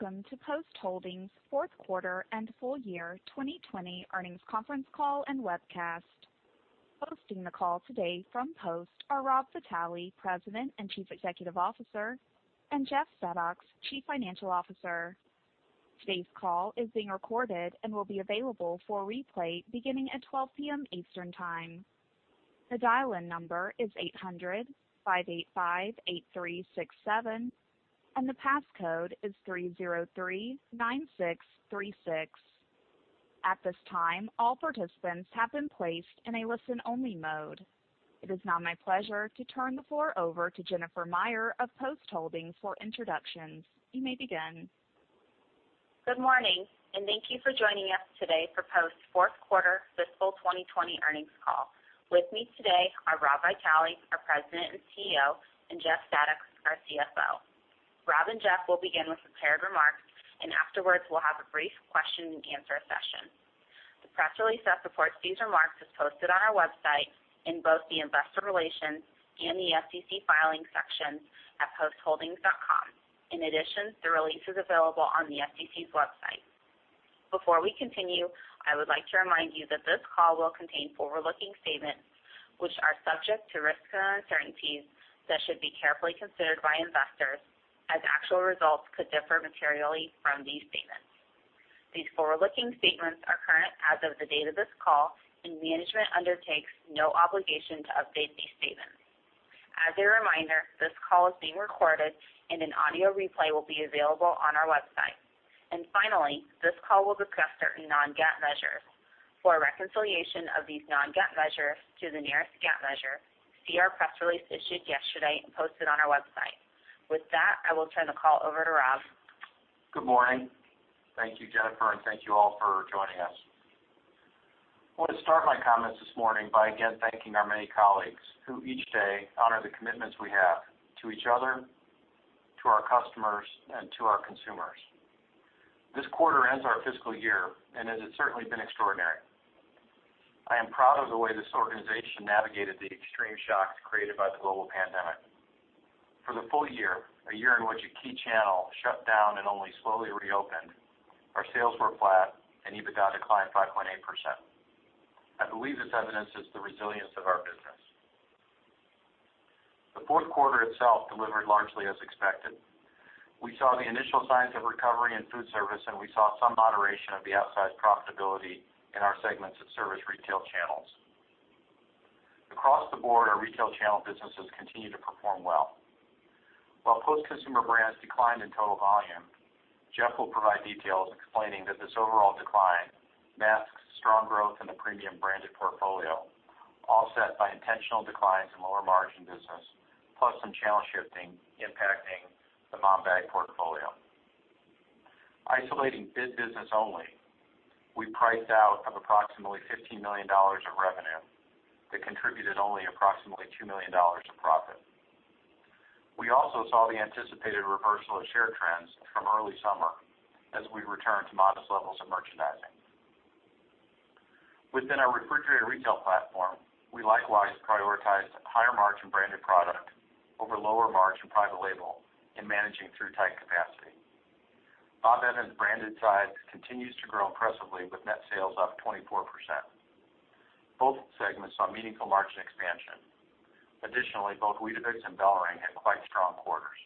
Welcome to Post Holdings' fourth quarter and full year 2020 earnings conference call and webcast. Hosting the call today from Post are Rob Vitale, President and Chief Executive Officer, and Jeff Zadoks, Chief Financial Officer. Today's call is being recorded and will be available for replay beginning at 12:00 P.M. Eastern Time. The dial-in number is eight zero zero five eight five three six seven and the passcode is three zero three nine six three six. At this time all participants have been placed in listen-only mode. It is now my pleasure to turn the floor over to Jennifer Meyer of Post Holdings for introductions. You may begin. Good morning? Thank you for joining us today for Post's fourth quarter fiscal 2020 earnings call. With me today are Rob Vitale, our President and Chief Executive Officer, and Jeff Zadoks, our Chief Financial Officer. Rob and Jeff will begin with prepared remarks, and afterwards, we'll have a brief question-and-answer session. The press release that supports these remarks is posted on our website in both the Investor Relations and the SEC Filings section at postholdings.com. In addition, the release is available on the SEC's website. Before we continue, I would like to remind you that this call will contain forward-looking statements, which are subject to risks and uncertainties that should be carefully considered by investors as actual results could differ materially from these statements. These forward-looking statements are current as of the date of this call, and management undertakes no obligation to update these statements. As a reminder, this call is being recorded and an audio replay will be available on our website. Finally, this call will discuss certain non-GAAP measures. For a reconciliation of these non-GAAP measures to the nearest GAAP measure, see our press release issued yesterday and posted on our website. With that, I will turn the call over to Rob. Good morning? Thank you, Jennifer, and thank you all for joining us. I want to start my comments this morning by, again, thanking our many colleagues who each day honor the commitments we have to each other, to our customers, and to our consumers. This quarter ends our fiscal year, and it has certainly been extraordinary. I am proud of the way this organization navigated the extreme shocks created by the global pandemic. For the full year, a year in which a key channel shut down and only slowly reopened, our sales were flat and EBITDA declined 5.8%. I believe this evidences the resilience of our business. The fourth quarter itself delivered largely as expected. We saw the initial signs of recovery in food service, and we saw some moderation of the outsized profitability in our segments that service retail channels. Across the board, our retail channel businesses continue to perform well. While Post Consumer Brands declined in total volume, Jeff will provide details explaining that this overall decline masks strong growth in the premium branded portfolio, offset by intentional declines in lower margin business, plus some channel shifting impacting the [MOM] bag portfolio. Isolating bid business only, we priced out of approximately $15 million of revenue that contributed only approximately $2 million of profit. We also saw the anticipated reversal of share trends from early summer as we returned to modest levels of merchandising. Within our Refrigerated Retail platform, we likewise prioritized higher margin branded product over lower margin private label in managing through tight capacity. Bob Evans' branded side continues to grow impressively with net sales up 24%. Both segments saw meaningful margin expansion. Additionally, both Weetabix and BellRing had quite strong quarters.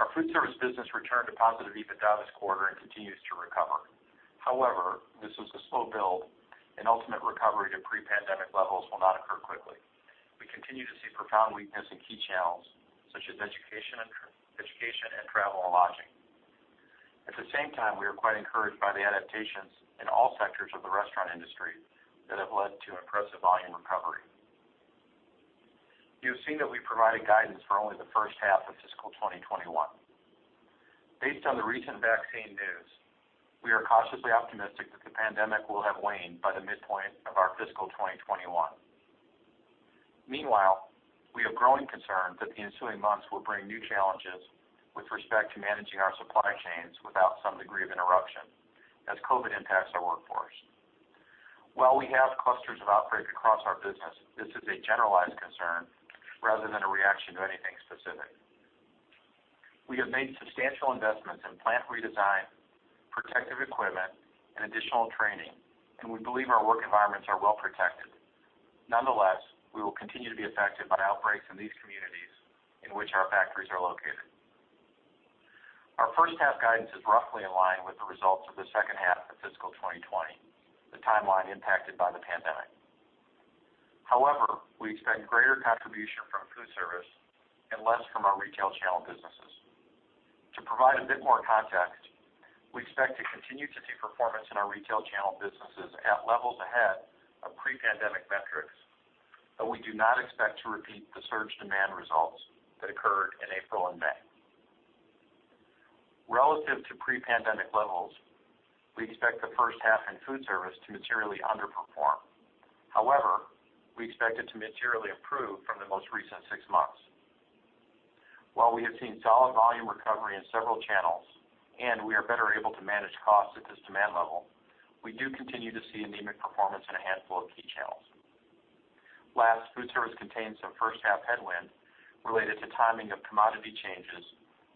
Our food service business returned to positive EBITDA this quarter and continues to recover. However, this was a slow build, and ultimate recovery to pre-pandemic levels will not occur quickly. We continue to see profound weakness in key channels, such as education and travel and lodging. At the same time, we are quite encouraged by the adaptations in all sectors of the restaurant industry that have led to impressive volume recovery. You have seen that we provided guidance for only the first half of fiscal 2021. Based on the recent vaccine news, we are cautiously optimistic that the pandemic will have waned by the midpoint of our fiscal 2021. Meanwhile, we have growing concerns that the ensuing months will bring new challenges with respect to managing our supply chains without some degree of interruption as COVID impacts our workforce. While we have clusters of outbreaks across our business, this is a generalized concern rather than a reaction to anything specific. We have made substantial investments in plant redesign, protective equipment, and additional training, and we believe our work environments are well protected. Nonetheless, we will continue to be affected by outbreaks in these communities in which our factories are located. Our first half guidance is roughly in line with the results of the second half of fiscal 2020, the timeline impacted by the pandemic. However, we expect greater contribution from food service and less from our retail channel businesses. To provide a bit more context, we expect to continue to see performance in our retail channel businesses at levels ahead of pre-pandemic metrics, but we do not expect to repeat the surge demand results that occurred in April and May. Relative to pre-pandemic levels, we expect the first half in food service to materially underperform. We expect it to materially improve from the most recent six months. While we have seen solid volume recovery in several channels, and we are better able to manage costs at this demand level, we do continue to see anemic performance in a handful of key channels. Last, food service contains some first half headwind related to timing of commodity changes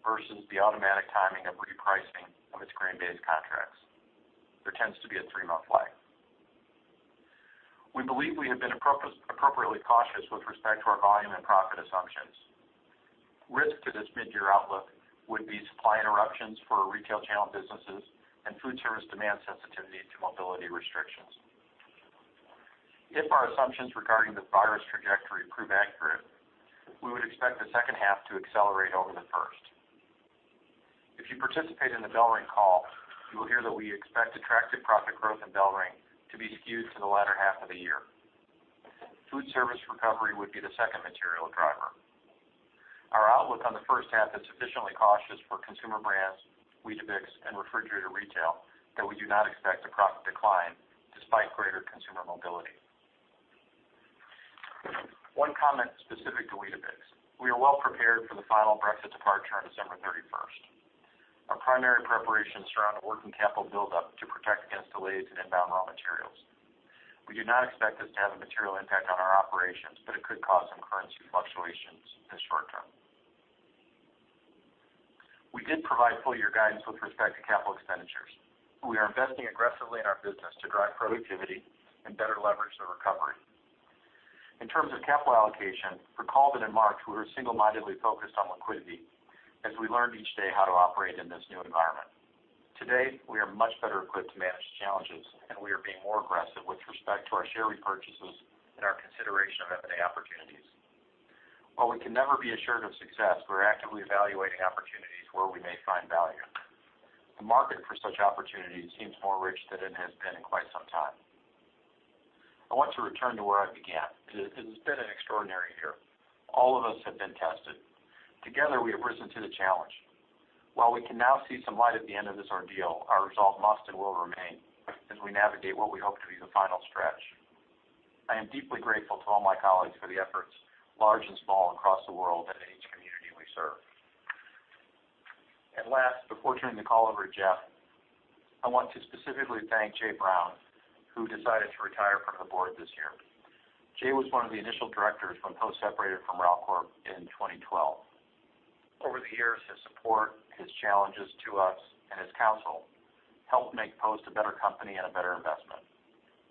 versus the automatic timing of repricing of its grain-based contracts. There tends to be a three-month lag. We believe we have been appropriately cautious with respect to our volume and profit assumptions. Risk to this mid-year outlook would be supply interruptions for retail channel businesses and food service demand sensitivity to mobility restrictions. If our assumptions regarding this virus trajectory prove accurate, we would expect the second half to accelerate over the first. If you participate in the BellRing call, you will hear that we expect attractive profit growth in BellRing to be skewed to the latter half of the year. Food service recovery would be the second material driver. Our outlook on the first half is sufficiently cautious for Consumer Brands, Weetabix, and Refrigerated Retail that we do not expect a profit decline despite greater consumer mobility. One comment specific to Weetabix. We are well prepared for the final Brexit departure on December 31. Our primary preparations surround working capital buildup to protect against delays in inbound raw materials. We do not expect this to have a material impact on our operations, but it could cause some currency fluctuations in the short term. We did provide full year guidance with respect to capital expenditures. We are investing aggressively in our business to drive productivity and better leverage the recovery. In terms of capital allocation, recall that in March, we were single-mindedly focused on liquidity as we learned each day how to operate in this new environment. Today, we are much better equipped to manage challenges, and we are being more aggressive with respect to our share repurchases and our consideration of M&A opportunities. While we can never be assured of success, we're actively evaluating opportunities where we may find value. The market for such opportunities seems more rich than it has been in quite some time. I want to return to where I began, because it has been an extraordinary year. All of us have been tested. Together, we have risen to the challenge. While we can now see some light at the end of this ordeal, our resolve must and will remain as we navigate what we hope to be the final stretch. I am deeply grateful to all my colleagues for the efforts, large and small, across the world and in each community we serve. Last, before turning the call over to Jeff, I want to specifically thank Jay Brown, who decided to retire from the Board this year. Jay was one of the initial directors when Post separated from Ralcorp in 2012. Over the years, his support, his challenges to us, and his counsel helped make Post a better company and a better investment.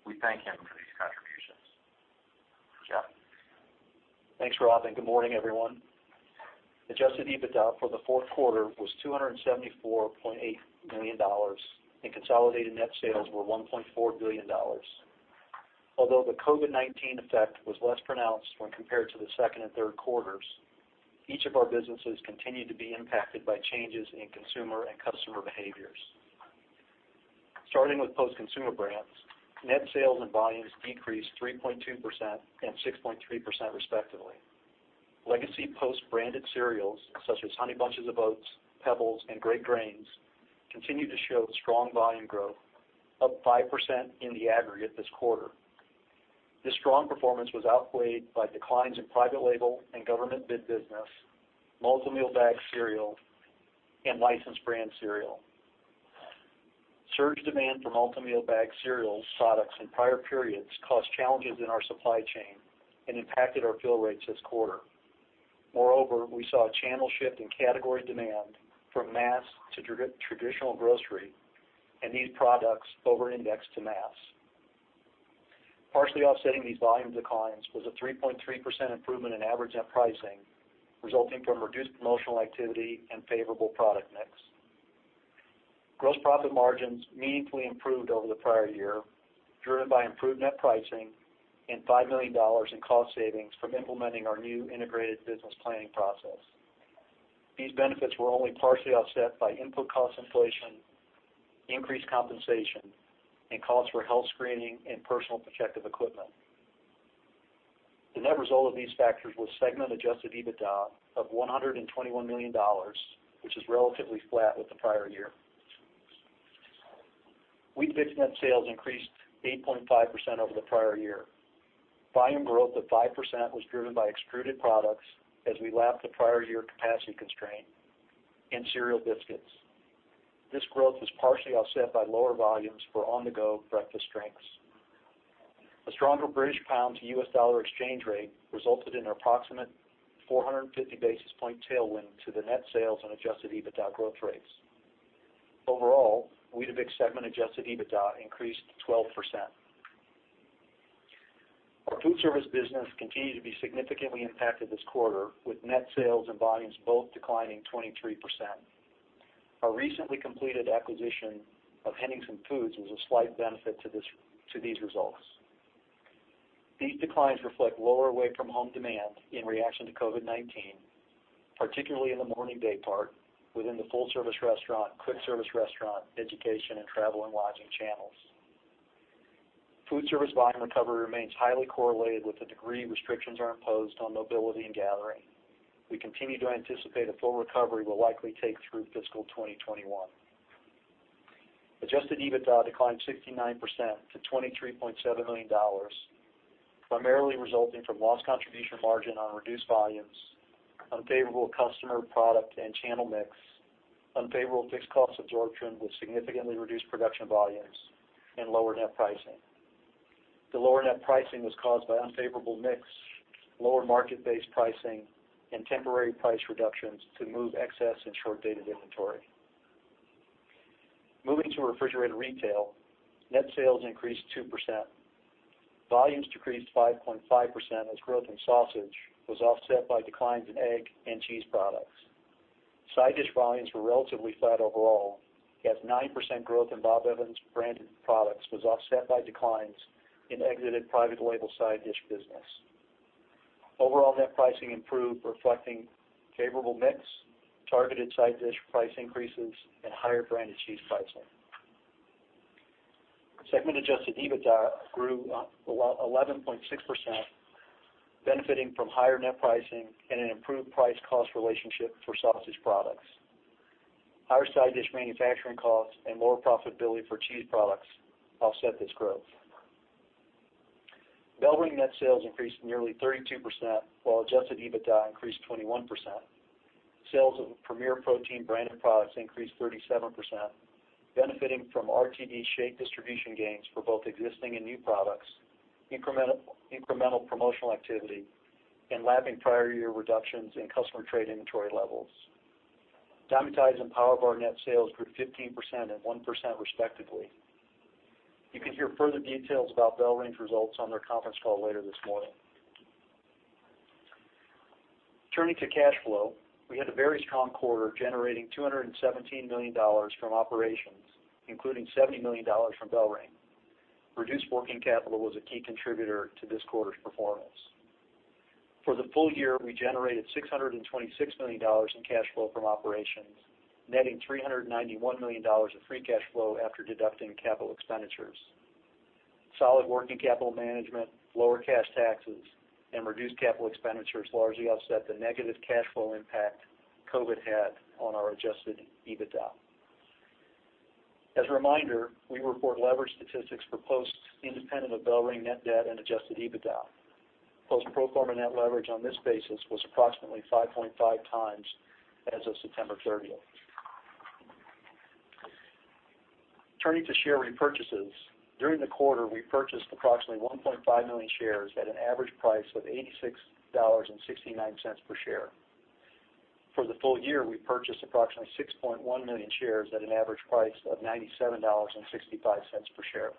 We thank him for these contributions. Jeff? Thanks, Rob, and good morning, everyone. Adjusted EBITDA for the fourth quarter was $274.8 million, and consolidated net sales were $1.4 billion. Although the COVID-19 effect was less pronounced when compared to the second and third quarters, each of our businesses continued to be impacted by changes in consumer and customer behaviors. Starting with Post Consumer Brands, net sales and volumes decreased 3.2% and 6.3%, respectively. Legacy Post-branded cereals, such as Honey Bunches of Oats, Pebbles, and Great Grains, continue to show strong volume growth, up 5% in the aggregate this quarter. This strong performance was outweighed by declines in private label and government bid business, Malt-O-Meal bag cereal, and licensed brand cereal. Surge demand for Malt-O-Meal bag cereal products in prior periods caused challenges in our supply chain and impacted our fill rates this quarter. We saw a channel shift in category demand from mass to traditional grocery, and these products over-indexed to mass. Partially offsetting these volume declines was a 3.3% improvement in average net pricing, resulting from reduced promotional activity and favorable product mix. Gross profit margins meaningfully improved over the prior year, driven by improved net pricing and $5 million in cost savings from implementing our new integrated business planning process. These benefits were only partially offset by input cost inflation, increased compensation, and costs for health screening and personal protective equipment. The net result of these factors was segment adjusted EBITDA of $121 million, which is relatively flat with the prior year. Weetabix net sales increased 8.5% over the prior year. Volume growth of 5% was driven by extruded products as we lapped the prior year capacity constraint in cereal biscuits. This growth was partially offset by lower volumes for on-the-go breakfast drinks. A stronger British pound to U.S. dollar exchange rate resulted in an approximate 450 basis point tailwind to the net sales and adjusted EBITDA growth rates. Overall, Weetabix segment adjusted EBITDA increased 12%. Our food service business continued to be significantly impacted this quarter, with net sales and volumes both declining 23%. Our recently completed acquisition of Henningsen Foods was a slight benefit to these results. These declines reflect lower away from home demand in reaction to COVID-19, particularly in the morning day part within the full-service restaurant, quick service restaurant, education, and travel and lodging channels. Food service volume recovery remains highly correlated with the degree restrictions are imposed on mobility and gathering. We continue to anticipate a full recovery will likely take through fiscal 2021. Adjusted EBITDA declined 69% to $23.7 million, primarily resulting from lost contribution margin on reduced volumes, unfavorable customer product and channel mix. Unfavorable fixed cost absorption with significantly reduced production volumes and lower net pricing. The lower net pricing was caused by unfavorable mix, lower market-based pricing, and temporary price reductions to move excess and short-dated inventory. Moving to Refrigerated Retail, net sales increased 2%. Volumes decreased 5.5% as growth in sausage was offset by declines in egg and cheese products. Side dish volumes were relatively flat overall, as 9% growth in Bob Evans branded products was offset by declines in exited private label side dish business. Overall net pricing improved, reflecting favorable mix, targeted side dish price increases, and higher branded cheese pricing. Segment adjusted EBITDA grew 11.6%, benefiting from higher net pricing and an improved price-cost relationship for sausage products. Higher side dish manufacturing costs and lower profitability for cheese products offset this growth. BellRing net sales increased nearly 32%, while adjusted EBITDA increased 21%. Sales of Premier Protein branded products increased 37%, benefiting from RTD shake distribution gains for both existing and new products, incremental promotional activity, and lapping prior year reductions in customer trade inventory levels. Dymatize and PowerBar net sales grew 15% and 1% respectively. You can hear further details about BellRing results on their conference call later this morning. Turning to cash flow, we had a very strong quarter, generating $217 million from operations, including $70 million from BellRing. Reduced working capital was a key contributor to this quarter's performance. For the full year, we generated $626 million in cash flow from operations, netting $391 million of free cash flow after deducting capital expenditures. Solid working capital management, lower cash taxes, and reduced capital expenditures largely offset the negative cash flow impact COVID had on our adjusted EBITDA. As a reminder, we report leverage statistics for Post independent of BellRing net debt and adjusted EBITDA. Post pro forma net leverage on this basis was approximately 5.5x as of September 30. Turning to share repurchases, during the quarter, we purchased approximately 1.5 million shares at an average price of $86.69 per share. For the full year, we purchased approximately 6.1 million shares at an average price of $97.65 per share.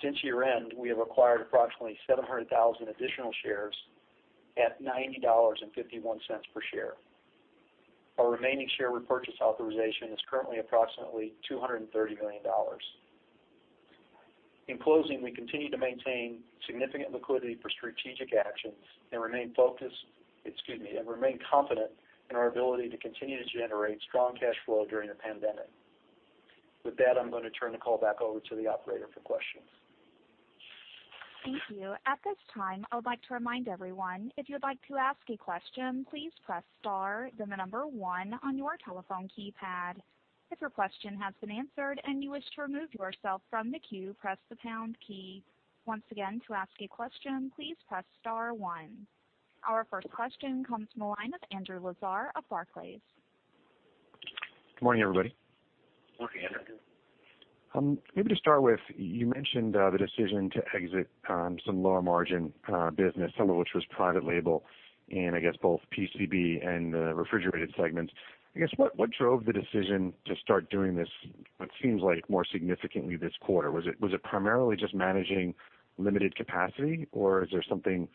Since year-end, we have acquired approximately 700,000 additional shares at $90.51 per share. Our remaining share repurchase authorization is currently approximately $230 million. In closing, we continue to maintain significant liquidity for strategic actions and remain confident in our ability to continue to generate strong cash flow during the pandemic. With that, I'm going to turn the call back over to the operator for questions. Thank you. At this time, I would like to remind everyone, if you'd like to ask a question, please press star then the number one on your telephone keypad. If your question has been answered and you wish to remove yourself from the queue, press the pound key. Once again, to ask a question, please press star one. Our first question comes from the line of Andrew Lazar of Barclays. Good morning everybody? Morning, Andrew. Maybe to start with, you mentioned the decision to exit some lower margin business, some of which was private label in, I guess, both PCB and the Refrigerated segments. I guess, what drove the decision to start doing this what seems like more significantly this quarter? Was it primarily just managing limited capacity, or is there something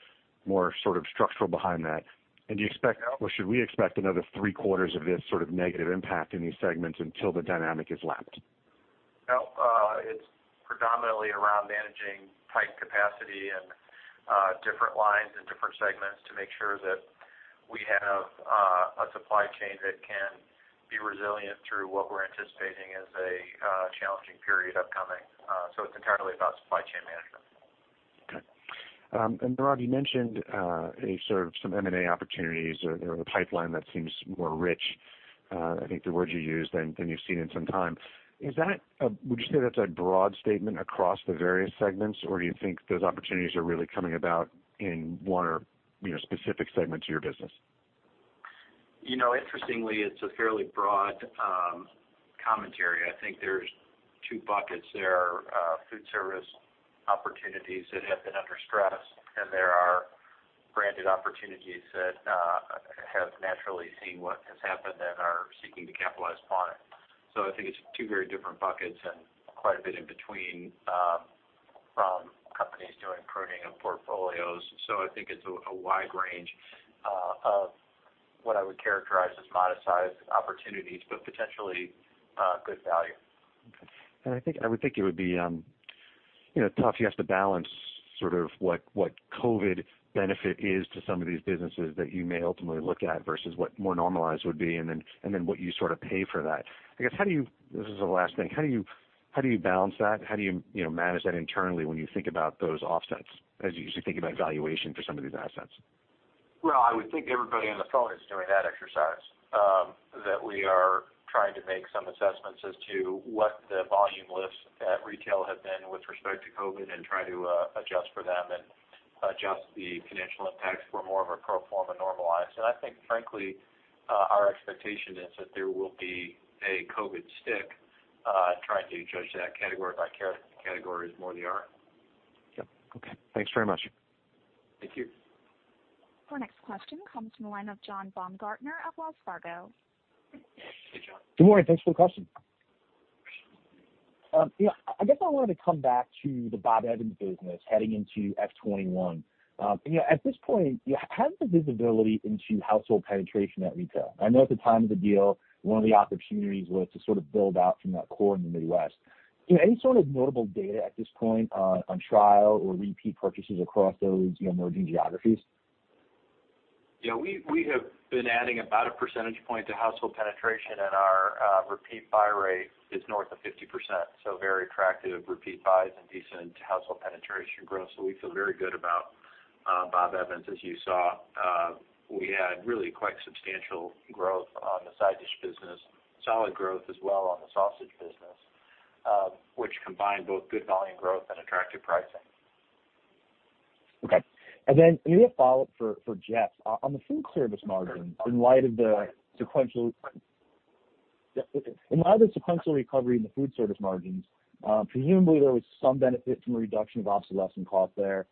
more structural behind that? Do you expect, or should we expect another three quarters of this sort of negative impact in these segments until the dynamic is lapped? No, it's predominantly around managing tight capacity and different lines and different segments to make sure that we have a supply chain that can be resilient through what we're anticipating is a challenging period upcoming. It's entirely about supply chain management. Okay. Rob, you mentioned sort of some M&A opportunities or the pipeline that seems more rich, I think the word you used, than you've seen in some time. Would you say that's a broad statement across the various segments, or do you think those opportunities are really coming about in one or specific segments of your business? Interestingly, it's a fairly broad commentary. I think there's two buckets. There are food service opportunities that have been under stress, and there are branded opportunities that have naturally seen what has happened and are seeking to capitalize upon it. I think it's two very different buckets and quite a bit in between from companies doing pruning of portfolios. I think it's a wide range of what I would characterize as modest size opportunities, but potentially good value. Okay. I would think it would be tough. You have to balance sort of what COVID benefit is to some of these businesses that you may ultimately look at versus what more normalized would be, what you sort of pay for that. I guess, this is the last thing. How do you balance that? How do you manage that internally when you think about those offsets, as you think about valuation for some of these assets? Well, I would think everybody on the call is doing that exercise, that we are trying to make some assessments as to what the volume lifts at retail have been with respect to COVID and try to adjust for them and adjust the financial impacts for more of a pro forma normalized. I think, frankly, our expectation is that there will be a COVID stick, trying to judge that category by category is more the art. Yep. Okay. Thanks very much. Thank you. Our next question comes from the line of John Baumgartner of Wells Fargo. Hey, John? Good morning? Thanks for the question. I guess I wanted to come back to the Bob Evans business heading into FY 2021. At this point, how's the visibility into household penetration at retail? I know at the time of the deal, one of the opportunities was to sort of build out from that core in the Midwest. Any sort of notable data at this point on trial or repeat purchases across those emerging geographies? Yeah. We have been adding about a percentage point to household penetration, and our repeat buy rate is north of 50%, so very attractive repeat buys and decent household penetration growth. We feel very good about Bob Evans. As you saw, we had really quite substantial growth on the side dish business, solid growth as well on the sausage business, which combined both good volume growth and attractive pricing. Okay. Then a follow-up for Jeff. On the food service margin, in light of the sequential recovery in the food service margins, presumably there was some benefit from a reduction of obsolescence cost there.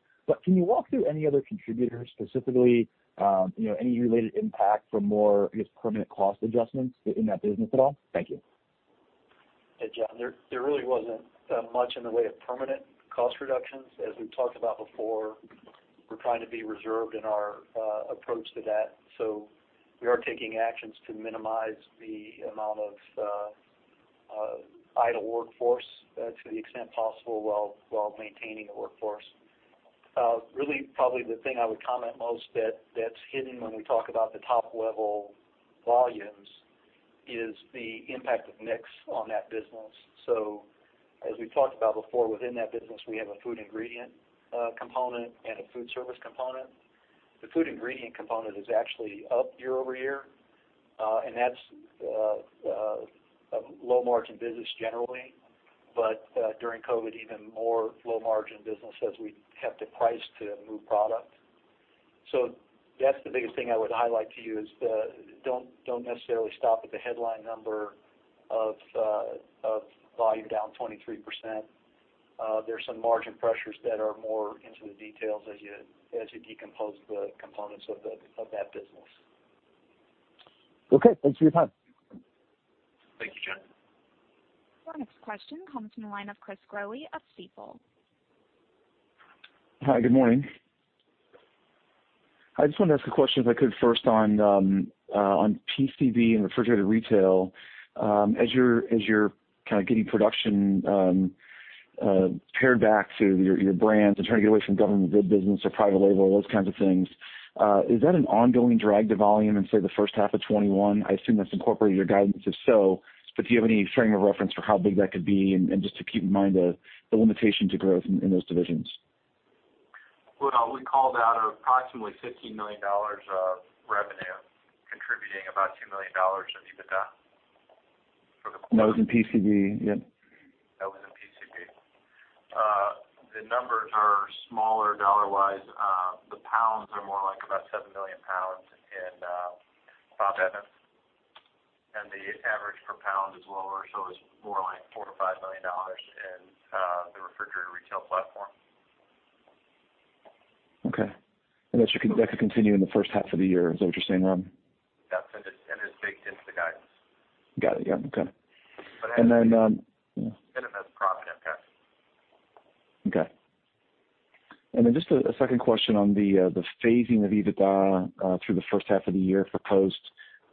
Can you walk through any other contributors, specifically, any related impact from more, I guess, permanent cost adjustments in that business at all? Thank you. Hey, John. There really wasn't much in the way of permanent cost reductions. As we've talked about before, we're trying to be reserved in our approach to that. We are taking actions to minimize the amount of idle workforce to the extent possible while maintaining a workforce. Really, probably the thing I would comment most that's hidden when we talk about the top-level volumes is the impact of mix on that business. As we've talked about before, within that business, we have a food ingredient component and a food service component. The food ingredient component is actually up year-over-year, and that's a low-margin business generally, but during COVID, even more low-margin business as we have to price to move product. That's the biggest thing I would highlight to you is don't necessarily stop at the headline number of volume down 23%. There's some margin pressures that are more into the details as you decompose the components of that business. Okay. Thanks for your time. Thank you, John. Our next question comes from the line of Chris Growe of Stifel. Hi, good morning? I just wanted to ask a question, if I could, first on PCB and Refrigerated Retail. As you're kind of getting production pared back to your brands and trying to get away from government bid business or private label, those kinds of things, is that an ongoing drag to volume in, say, the first half of 2021? I assume that's incorporated your guidance, if so, but do you have any frame of reference for how big that could be and just to keep in mind the limitation to growth in those divisions? Well, we called out approximately $15 million of revenue contributing about $2 million of EBITDA for the quarter. That was in PCB, yeah? That was in PCB. The numbers are smaller dollar-wise. The pounds are more like about 7 million pounds in Bob Evans, and the average per pounds is lower, so it's more like $4 million-$5 million in the Refrigerated Retail platform. Okay. That should continue in the first half of the year, is that what you're saying, Rob? That's it. It's baked into the guidance. Got it. Yeah. Okay. As I said, it has profit impact. Okay. Just a second question on the phasing of EBITDA through the first half of the year for Post.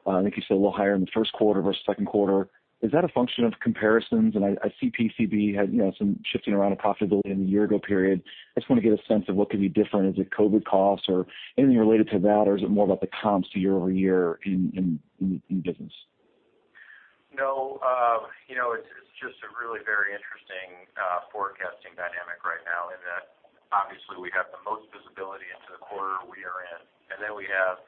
I think you said a little higher in the first quarter versus second quarter. Is that a function of comparisons? I see PCB had some shifting around of profitability in the year-ago period. I just want to get a sense of what could be different. Is it COVID costs or anything related to that, or is it more about the comps year-over-year in business? No. It's just a really very interesting forecasting dynamic right now in that, obviously, we have the most visibility into the quarter we are in, and then we have,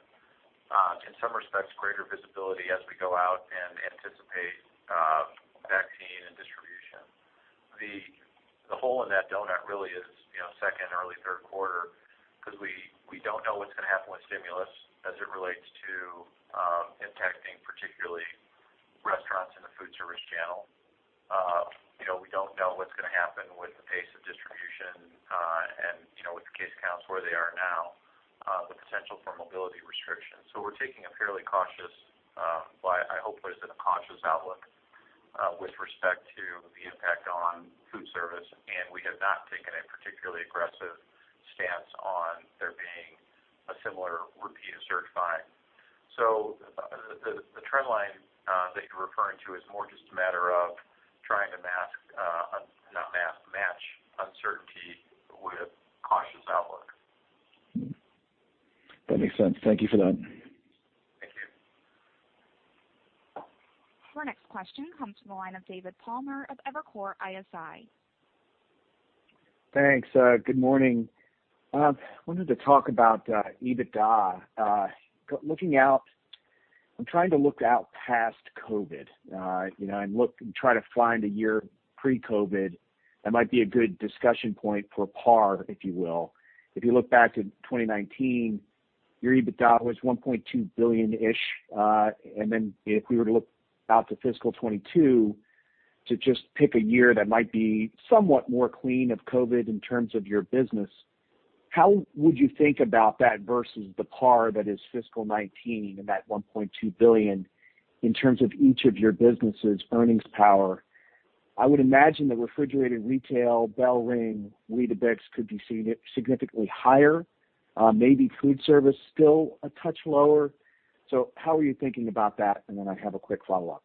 in some respects, greater visibility as we go out and anticipate vaccine and distribution. The hole in that donut really is second, early third quarter because we don't know what's going to happen with stimulus as it relates to impacting, particularly restaurants in the food service channel. We don't know what's going to happen with the pace of distribution and, with the case counts where they are now, the potential for mobility restrictions. We're taking a fairly cautious, what I hope is a cautious outlook with respect to the impact on food service, and we have not taken a particularly aggressive stance on there being a similar repeat of surge buying. The trend line that you're referring to is more just a matter of trying to match uncertainty with cautious outlook. That makes sense. Thank you for that. Thank you. Our next question comes from the line of David Palmer of Evercore ISI. Thanks. Good morning. I wanted to talk about EBITDA. I'm trying to look out past COVID. I'm trying to find a year pre-COVID that might be a good discussion point for par, if you will. If you look back to 2019, your EBITDA was $1.2 billion-ish. If we were to look out to fiscal 2022, to just pick a year that might be somewhat more clean of COVID in terms of your business, how would you think about that versus the par that is fiscal 2019 and that $1.2 billion in terms of each of your businesses' earnings power? I would imagine the Refrigerated Retail, BellRing, Weetabix could be significantly higher. Maybe food service still a touch lower. How are you thinking about that? I have a quick follow-up.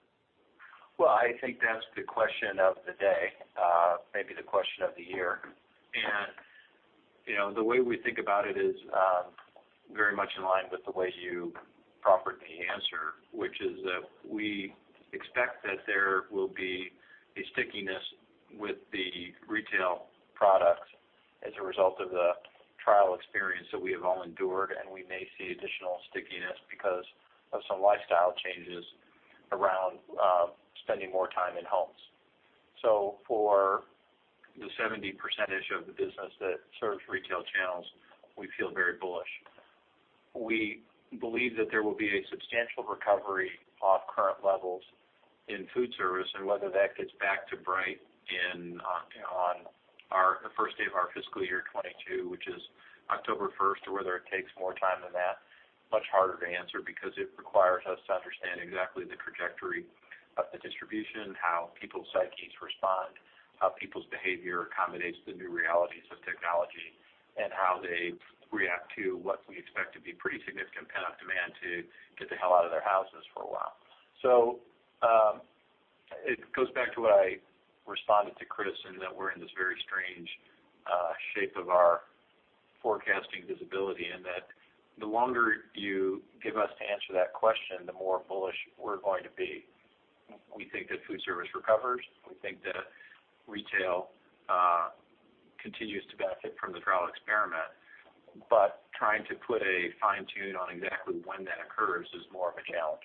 Well, I think that's the question of the day, maybe the question of the year. The way we think about it is very much in line with the way you proffered the answer, which is that we expect that there will be a stickiness with the retail products as a result of the trial experience that we have all endured, and we may see additional stickiness because of some lifestyle changes around spending more time in homes. For the 70% of the business that serves retail channels, we feel very bullish. We believe that there will be a substantial recovery off current levels in food service, and whether that gets back to bright on the first day of our fiscal year 2022, which is October 1, or whether it takes more time than that, much harder to answer because it requires us to understand exactly the trajectory of the distribution, how people's psyches respond, how people's behavior accommodates the new realities of technology, and how they react to what we expect to be pretty significant pent-up demand to get the hell out of their houses for a while. It goes back to what I responded to Chris in that we're in this very strange shape of our forecasting visibility in that the longer you give us to answer that question, the more bullish we're going to be. We think that food service recovers. We think that retail continues to benefit from the trial experiment. Trying to put a fine tune on exactly when that occurs is more of a challenge.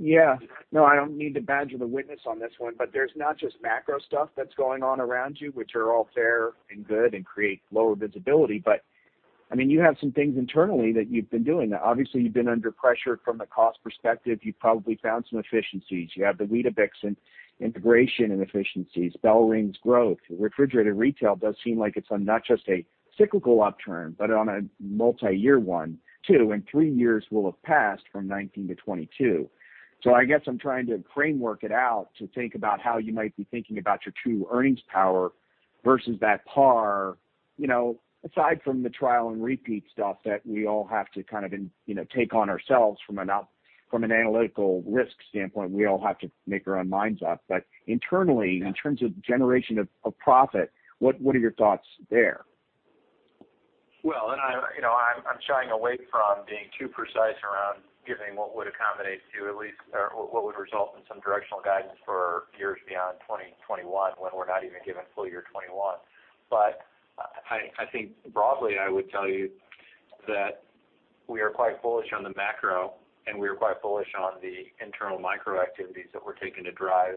Yeah. No, I don't mean to badger the witness on this one. There's not just macro stuff that's going on around you, which are all fair and good and create lower visibility. You have some things internally that you've been doing. Obviously, you've been under pressure from the cost perspective. You've probably found some efficiencies. You have the Weetabix integration and efficiencies, BellRing's growth. Refrigerated Retail does seem like it's on not just a cyclical upturn, but on a multi-year one too, and three years will have passed from 2019 to 2022. I guess I'm trying to framework it out to think about how you might be thinking about your true earnings power versus that par, aside from the trial and repeat stuff that we all have to take on ourselves from an analytical risk standpoint, we all have to make our own minds up. Internally, in terms of generation of profit, what are your thoughts there? I'm shying away from being too precise around giving what would accommodate to at least, or what would result in some directional guidance for years beyond 2021 when we're not even giving full year 2021. I think broadly, I would tell you that we are quite bullish on the macro, and we are quite bullish on the internal micro activities that we're taking to drive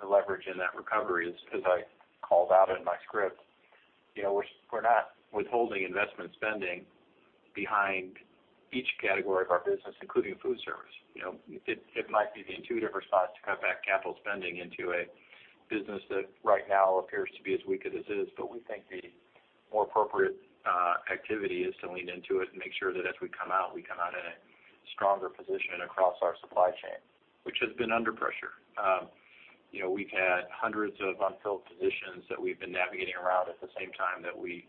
the leverage in that recovery, as I called out in my script. We're not withholding investment spending behind each category of our business, including food service. It might be the intuitive response to cut back capital spending into a business that right now appears to be as weak as it is, but we think the more appropriate activity is to lean into it and make sure that as we come out, we come out in a stronger position across our supply chain, which has been under pressure. We've had hundreds of unfilled positions that we've been navigating around at the same time that we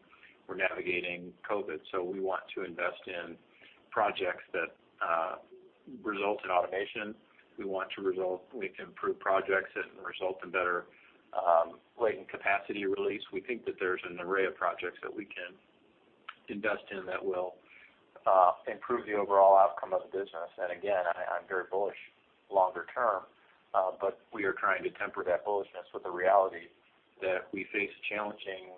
were navigating COVID. We want to invest in projects that result in automation. We want to improve projects that result in better latent capacity release. We think that there's an array of projects that we can invest in that will improve the overall outcome of the business. Again, I'm very bullish longer term. We are trying to temper that bullishness with the reality that we face challenging,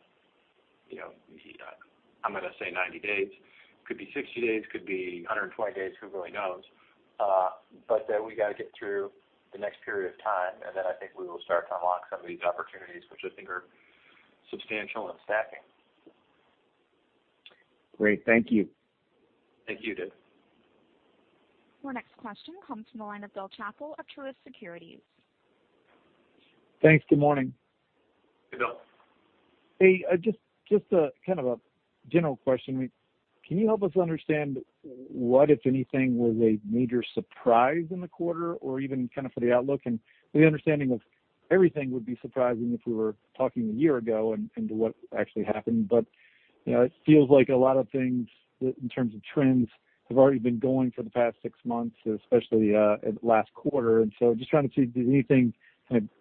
I'm going to say 90 days. Could be 60 days, could be 120 days, who really knows? That we got to get through the next period of time, then I think we will start to unlock some of these opportunities, which I think are substantial and stacking. Great. Thank you. Thank you, Dave. Our next question comes from the line of Bill Chappell of Truist Securities. Thanks. Good morning? Hey, Bill. Hey, just a general question. Can you help us understand what, if anything, was a major surprise in the quarter or even for the outlook? The understanding of everything would be surprising if we were talking a year ago and to what actually happened. It feels like a lot of things, in terms of trends, have already been going for the past six months, especially last quarter. Just trying to see, did anything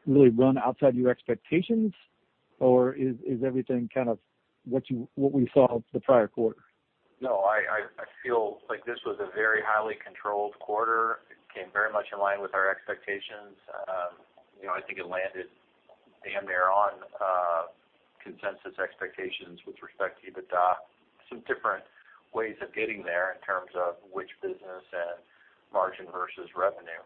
really run outside your expectations, or is everything what we saw the prior quarter? No, I feel like this was a very highly controlled quarter. It came very much in line with our expectations. I think it landed and they're on consensus expectations with respect to EBITDA. Some different ways of getting there in terms of which business and margin versus revenue.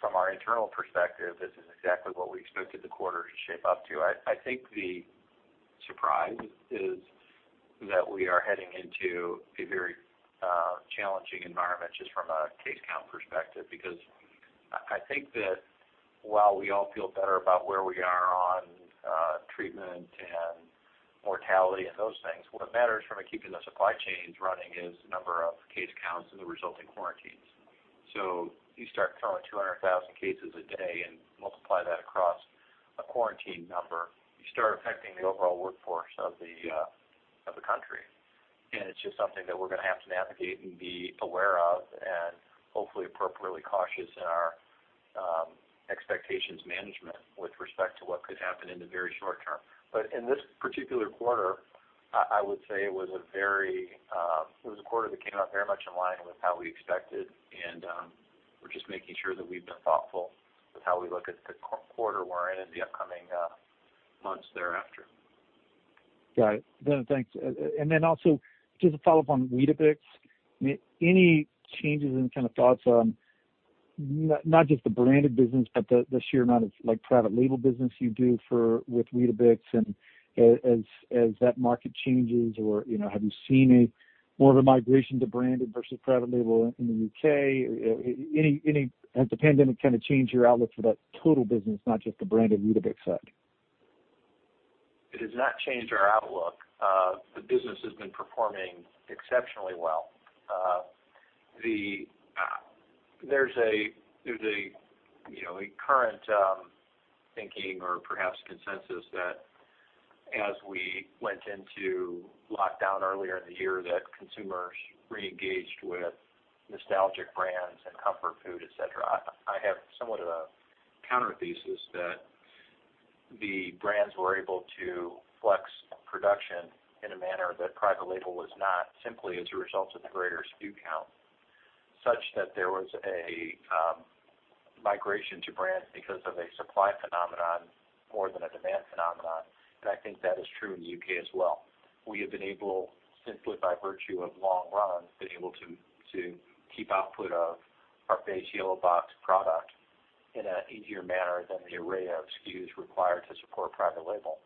From our internal perspective, this is exactly what we expected the quarter to shape up to. I think the surprise is that we are heading into a very challenging environment, just from a case count perspective, because I think that while we all feel better about where we are on treatment and mortality and those things, what matters from a keeping the supply chains running is number of case counts and the resulting quarantines. You start counting 200,000 cases a day and multiply that across a quarantine number, you start affecting the overall workforce of the country. It's just something that we're going to have to navigate and be aware of, and hopefully appropriately cautious in our expectations management with respect to what could happen in the very short term. In this particular quarter, I would say it was a quarter that came out very much in line with how we expected, and we're just making sure that we've been thoughtful with how we look at the quarter we're in and the upcoming months thereafter. Got it. thanks. Also, just a follow-up on Weetabix. Any changes in thoughts on not just the branded business, but the sheer amount of private label business you do with Weetabix, and as that market changes, or have you seen more of a migration to branded versus private label in the U.K.? Has the pandemic changed your outlook for that total business, not just the branded Weetabix side? It has not changed our outlook. The business has been performing exceptionally well. There's a current thinking or perhaps consensus that as we went into lockdown earlier in the year, that consumers reengaged with nostalgic brands and comfort food, et cetera. I have somewhat of a counter thesis that the brands were able to flex production in a manner that private label was not, simply as a result of the greater SKU count, such that there was a migration to brands because of a supply phenomenon more than a demand phenomenon. I think that is true in the U.K. as well. We have been able, simply by virtue of long runs, been able to keep output of our base yellow box product in an easier manner than the array of SKUs required to support private label.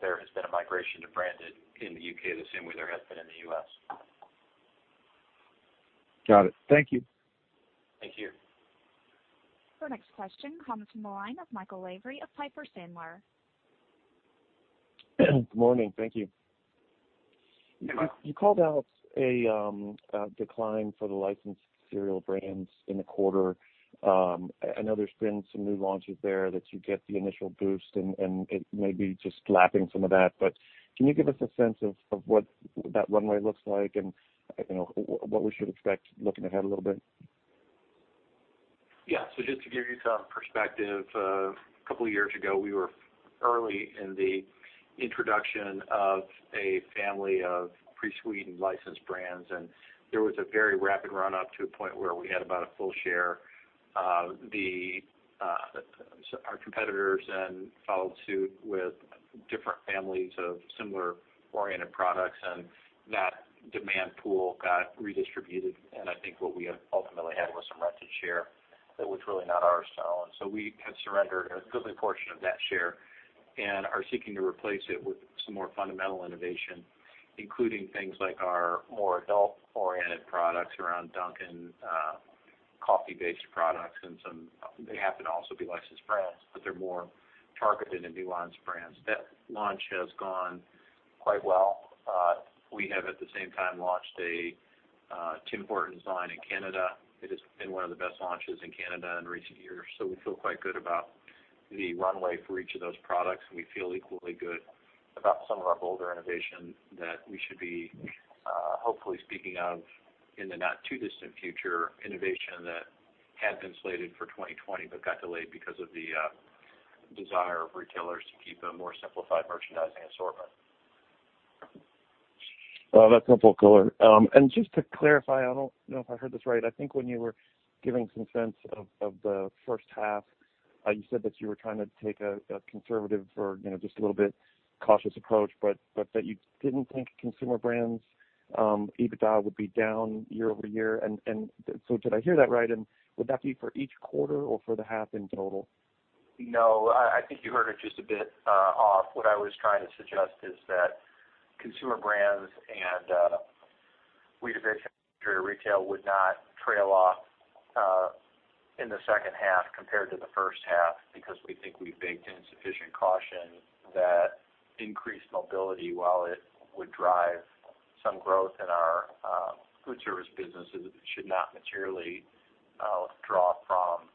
There has been a migration to branded in the U.K. the same way there has been in the U.S. Got it. Thank you. Thank you. Our next question comes from the line of Michael Lavery of Piper Sandler. Good morning? Thank you. Hi, Mike. You called out a decline for the licensed cereal brands in the quarter. I know there's been some new launches there that you get the initial boost, and it may be just lapping some of that. Can you give us a sense of what that runway looks like, and what we should expect looking ahead a little bit? Yeah. Just to give you some perspective, a couple of years ago, we were early in the introduction of a family of pre-sweetened licensed brands, and there was a very rapid run-up to a point where we had about a full share. Our competitors then followed suit with different families of similar-oriented products, That demand pool got redistributed, I think what we ultimately had was some rented share that was really not our style. We have surrendered a goodly portion of that share and are seeking to replace it with some more fundamental innovation, including things like our more adult-oriented products around Dunkin' Coffee-based products and they happen to also be licensed brands, but they're more targeted and nuanced brands. That launch has gone quite well. We have, at the same time, launched a Tim Hortons design in Canada. It has been one of the best launches in Canada in recent years. We feel quite good about the runway for each of those products, and we feel equally good about some of our bolder innovation that we should be hopefully speaking of in the not-too-distant future, innovation that had been slated for 2020 but got delayed because of the desire of retailers to keep a more simplified merchandising assortment. Well, that's helpful. Just to clarify, I don't know if I heard this right. I think when you were giving some sense of the first half, you said that you were trying to take a conservative or just a little bit cautious approach, but that you didn't think Consumer Brands' EBITDA would be down year-over-year. Did I hear that right? Would that be for each quarter or for the half in total? No, I think you heard it just a bit off. What I was trying to suggest is that Consumer Brands and Weetabix and Refrigerated Retail would not trail off in the second half compared to the first half because we think we baked in sufficient caution that increased mobility, while it would drive some growth in our foodservice businesses, should not materially draw from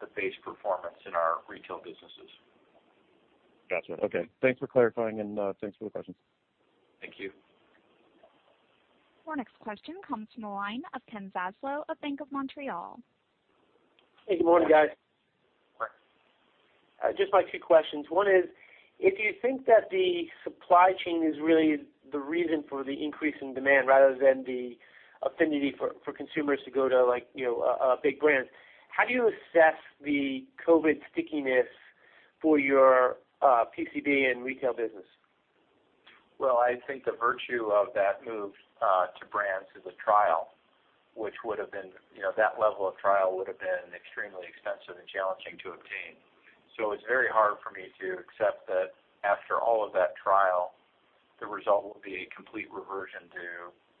the base performance in our retail businesses. Got you. Okay. Thanks for clarifying, and thanks for the questions. Thank you. Our next question comes from the line of Ken Zaslow of Bank of Montreal. Hey, good morning, guys? Ken. Just my two questions. One is if you think that the supply chain is really the reason for the increase in demand rather than the affinity for consumers to go to a big brand, how do you assess the COVID stickiness for your PCB and retail business? Well, I think the virtue of that move to brands is a trial, that level of trial would've been extremely expensive and challenging to obtain. It's very hard for me to accept that after all of that trial, the result will be a complete reversion to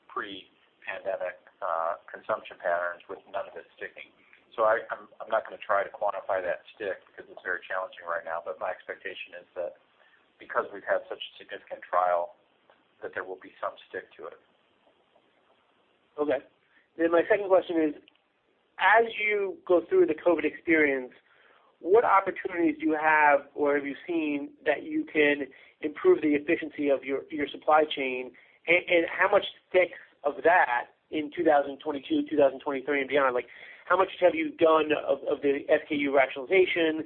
pre-pandemic consumption patterns with none of it sticking. I'm not going to try to quantify that stick because it's very challenging right now. My expectation is that because we've had such significant trial, that there will be some stick to it. Okay. My second question is, as you go through the COVID experience, what opportunities do you have or have you seen that you can improve the efficiency of your supply chain, and how much stick of that in 2022, 2023, and beyond? How much have you done of the SKU rationalization,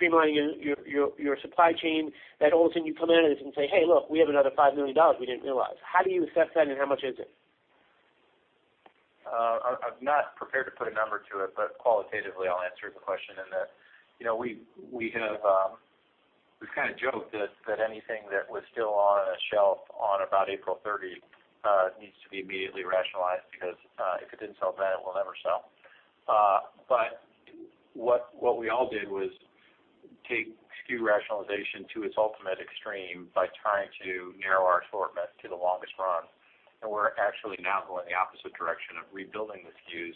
streamlining your supply chain, that all of a sudden you come out of this and say, hey, look, we have another $5 million we didn't realize. How do you assess that and how much is it? I'm not prepared to put a number to it, qualitatively I'll answer the question in that we've kind of joked that anything that was still on a shelf on about April 30 needs to be immediately rationalized because, if it didn't sell then, it will never sell. What we all did was take SKU rationalization to its ultimate extreme by trying to narrow our assortment to the longest run, and we're actually now going the opposite direction of rebuilding the SKUs.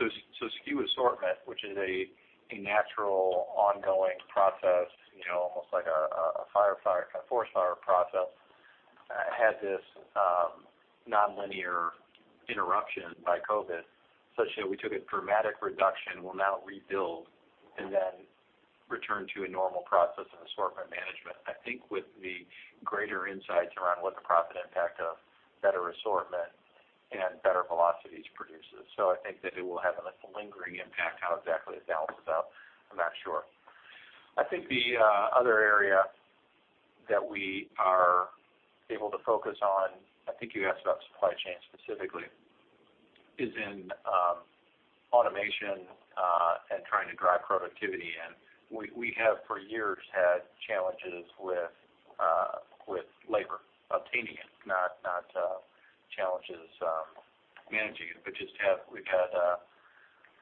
SKU assortment, which is a natural ongoing process, almost like a forest fire process, had this nonlinear interruption by COVID, such that we took a dramatic reduction. We'll now rebuild and then return to a normal process of assortment management, I think with the greater insights around what the profit impact of better assortment and better velocities produces. I think that it will have a lingering impact. How exactly it balances out, I'm not sure. I think the other area that we are able to focus on, I think you asked about supply chain specifically, is in automation, and trying to drive productivity in. We have for years had challenges with labor, obtaining it, not challenges managing it, but just we've had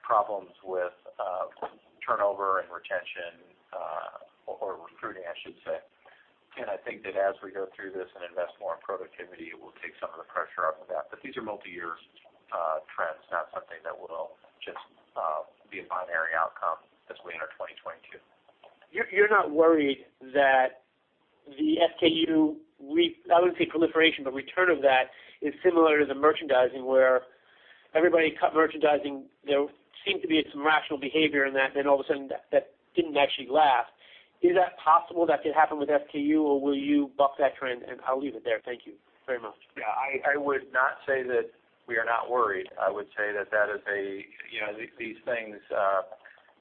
problems with turnover and retention, or recruiting, I should say. I think that as we go through this and invest more in productivity, it will take some of the pressure off of that. These are multi-year trends, not something that will just be a binary outcome as we enter 2022. You're not worried that the SKU, I wouldn't say proliferation, but return of that is similar to the merchandising where everybody cut merchandising. There seemed to be some rational behavior in that, then all of a sudden, that didn't actually last. Is that possible that could happen with SKU, or will you buck that trend? I'll leave it there. Thank you very much. Yeah, I would not say that we are not worried. I would say that these things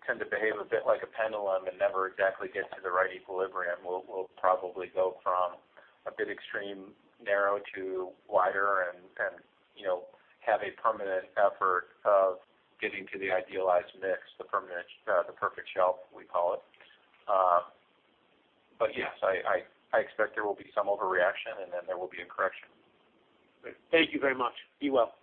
tend to behave a bit like a pendulum and never exactly get to the right equilibrium. We'll probably go from a bit extreme narrow to wider and have a permanent effort of getting to the idealized mix, the perfect shelf, we call it. Yes, I expect there will be some overreaction, and then there will be a correction. Great. Thank you very much. Be well.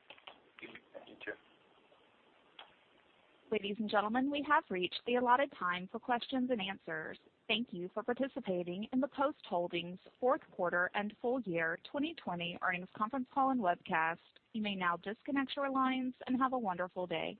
Thank you. You too. Ladies and gentlemen, we have reached the allotted time for questions and answers. Thank you for participating in the Post Holdings Fourth Quarter and Full Year 2020 Earnings Conference Call and Webcast, you may now disconnect your lines, and have a wonderful day.